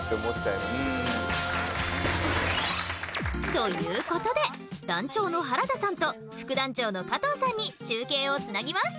ということで団長の原田さんと副団長の加藤さんに中継をつなぎます。